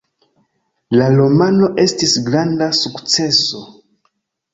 La romano estis granda sukceso.